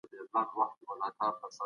حقوق بايد په عدل سره ووېشل سي.